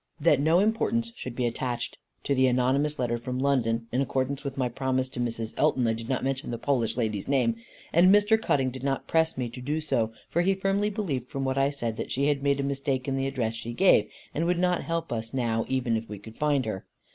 That no importance should be attached to the anonymous letter from London; in accordance with my promise to Mrs. Elton, I did not mention the Polish lady's name; and Mr. Cutting did not press me to do so, for he firmly believed from what I said that she had made a mistake in the address she gave, and would not help us now, even if we could find her.